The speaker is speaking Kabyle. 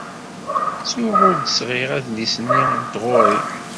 Ttuɣ ur d-sɣiɣ adlis-nni n tɣuri.